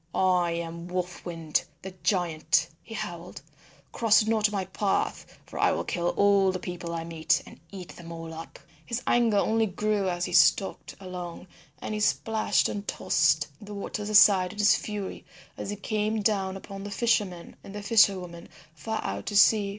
"I am Wolf Wind, the giant," he howled, "cross not my path, for I will kill all the people I meet, and eat them all up." His anger only grew as he stalked along, and he splashed and tossed the waters aside in his fury as he came down upon the fishermen and fisher women far out to sea.